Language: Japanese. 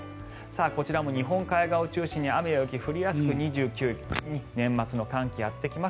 こちらも日本海側を中心に雨や雪降りやすく２９日に寒気がやってきます。